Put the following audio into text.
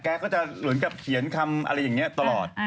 ก็จะเหมือนกับเขียนคำอะไรอย่างนี้ตลอด